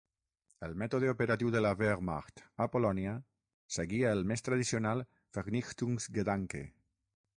El mètode operatiu de la Wehrmacht a Polònia seguia el més tradicional "Vernichtungsgedanke".